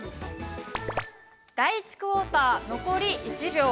第１クオーター、残り１秒。